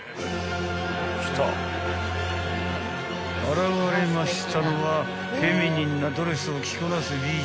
［現れましたのはフェミニンなドレスを着こなす美女］